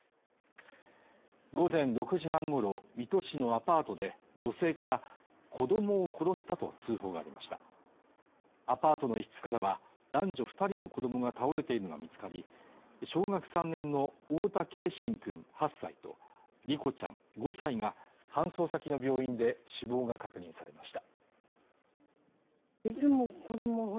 午前６時半ごろ水戸市のアパートで女性から子供を殺したと通報がありましたアパートの一室からは男女二人の子どもが倒れているのが見つかり小学３年の太田継真くん８歳と梨心ちゃん５歳が搬送先の病院で死亡が確認されました